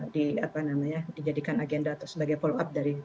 di apa namanya dijadikan agenda atau sebagai follow up dari